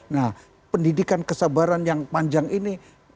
nah pendidikan kesabaran yang panjang ini